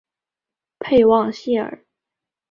佩旺谢尔。